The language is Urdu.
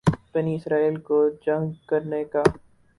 بنی اسرائیل کو جنگ کرنے کا